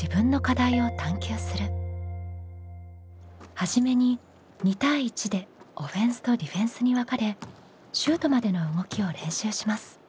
初めに２対１でオフェンスとディフェンスに分かれシュートまでの動きを練習します。